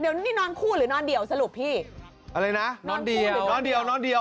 เดี๋ยวนี่นอนคู่หรือนอนเดียวสรุปพี่อะไรนะนอนเดียวหรือนอนเดียวนอนเดียว